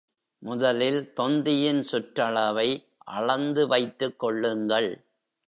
முதலில் தொந்தியின் சுற்றளவை அளந்து வைத்துக் கொள்ளுங்கள்.